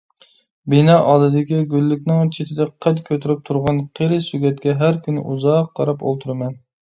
بىنا ئالدىدىكى گۈللۈكنىڭ چېتىدە قەد كۆتۈرۈپ تۇرغان قېرى سۆگەتكە ھەر كۈنى ئۇزاق قاراپ ئولتۇرىمەن.